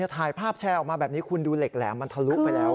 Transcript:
ถ่ายภาพแชร์ออกมาแบบนี้คุณดูเหล็กแหลมมันทะลุไปแล้ว